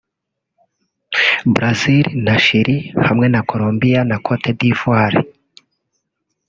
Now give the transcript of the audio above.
Brazil na Chile hamwe na Colombia na Cote d’Ivoire